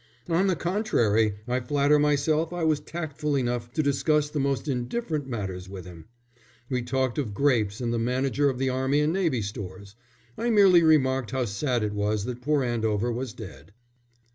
"On the contrary, I flatter myself I was tactful enough to discuss the most indifferent matters with him. We talked of grapes and the Manager of the Army and Navy Stores. I merely remarked how sad it was that poor Andover was dead."